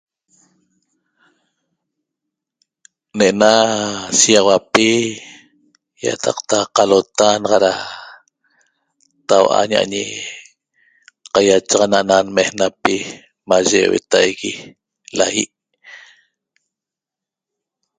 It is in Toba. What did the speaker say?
ena shexahuapi iatacta cailota a' taua caichaxana n' menec mache vetahie ena lahie e